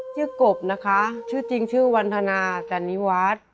กบนะคะชื่อจริงชื่อวันทนาจันนิวัฒน์